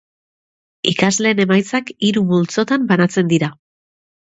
Ikasleen emaitzak hiru multzotan banatzen dira.